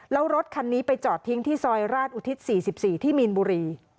แล้วรถคันนี้ไปจอดทิ้งที่ซอยราชอุทิศ๔๔ที่มีนบุรี